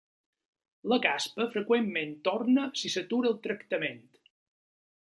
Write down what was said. La caspa freqüentment torna si s'atura el tractament.